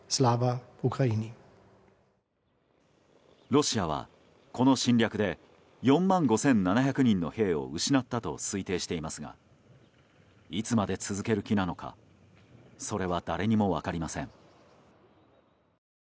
ロシアはこの侵略で４万５７００人の兵を失ったと推定していますがいつまで続ける気なのかそれは誰にも分かりません。